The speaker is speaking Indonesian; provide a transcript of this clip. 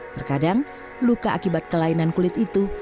terkadang luka akibat kelainan kulit itu